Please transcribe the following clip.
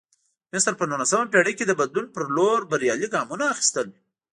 مصر په نولسمه پېړۍ کې د بدلون په لور بریالي ګامونه اخیستل.